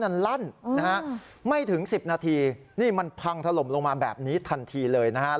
มันลั่นนะฮะไม่ถึง๑๐นาทีนี่มันพังถล่มลงมาแบบนี้ทันทีเลยนะครับ